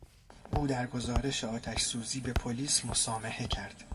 او در گزارش آتش سوزی به پلیس مسامحه کرد.